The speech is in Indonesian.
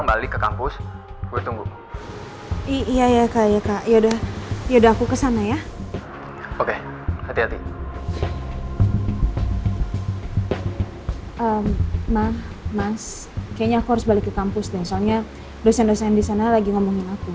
ma mas kayaknya aku harus balik ke kampus deh soalnya dosen dosen disana lagi ngomongin aku